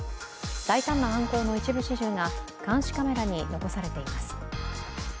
大胆な犯行の一部始終が監視カメラに残されています。